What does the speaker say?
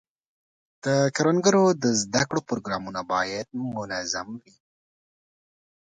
د کروندګرو د زده کړو پروګرامونه باید منظم وي.